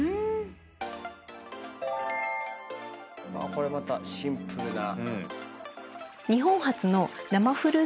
これまたシンプルな。